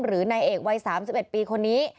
นายเอกวัย๓๑ปีคนนี้